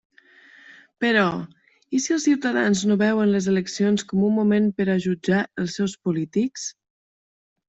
Però ¿i si els ciutadans no veuen les eleccions com un moment per a jutjar els seus polítics?